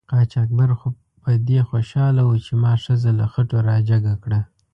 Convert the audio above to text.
قاچاقبر خو په دې خوشحاله و چې ما ښځه له خټو را جګه کړه.